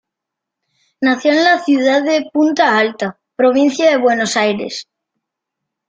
Nació en la ciudad de Punta Alta, provincia de Buenos Aires.